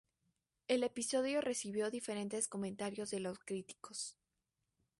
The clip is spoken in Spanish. El episodio recibió diferentes comentarios de los críticos.